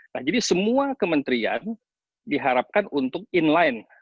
nah jadi semua kementerian diharapkan untuk inline